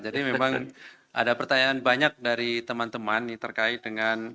jadi memang ada pertanyaan banyak dari teman teman ini terkait dengan